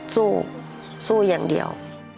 สู้สู้อย่างเดียว